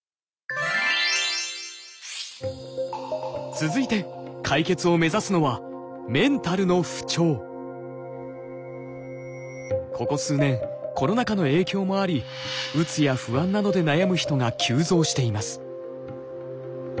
続いて解決を目指すのはここ数年コロナ禍の影響もありうつや不安などで悩む人が急増しています。